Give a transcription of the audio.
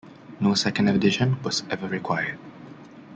No second edition was ever required.